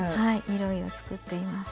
いろいろつくっています。